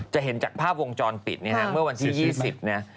จะเห็นจากภาพวงจรปิดเนี่ยฮะเมื่อวันที่๒๐เนี่ย